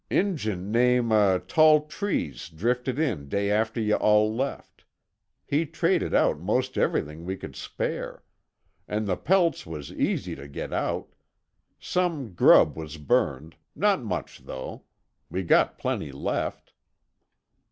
"Injun name uh Tall Trees drifted in day after yuh all left. He traded out most everythin' we could spare. An' the pelts was easy to get out. Some grub was burned. Not much, though. We got plenty left."